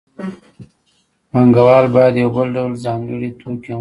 پانګوال باید یو بل ډول ځانګړی توکی هم وپېري